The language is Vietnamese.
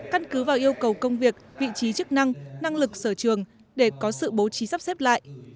căn cứ vào yêu cầu công việc vị trí chức năng năng lực sở trường để có sự bố trí sắp xếp lại